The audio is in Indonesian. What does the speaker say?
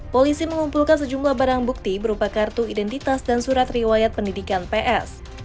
polisi mengumpulkan sejumlah barang bukti berupa kartu identitas dan surat riwayat pendidikan ps